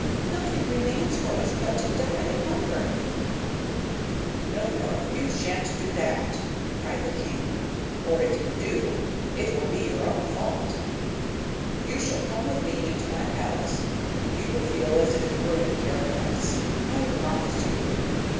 'Nothing remains for us but to die of hunger.' 'No, no, you shan't do that,' cried the king, 'or if you do, it will be your own fault. You shall come with me into my palace, and you will feel as if you were in Paradise, I promise you.